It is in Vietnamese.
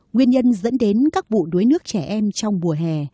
nguyên nhân dẫn đến các vụ đuối nước trẻ em trong mùa hè